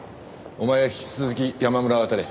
お前は引き続き山村を当たれ。